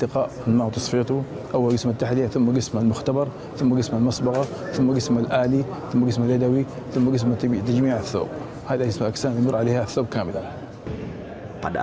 kiswah pertama adalah kiswah dari tahlia